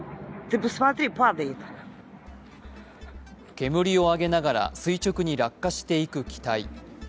煙を上げながら垂直に落下していく機体